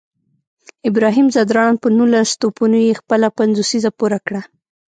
ابراهیم ځدراڼ په نولس توپونو یې خپله پنځوسیزه پوره کړه